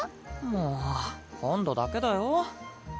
もう今度だけだよ？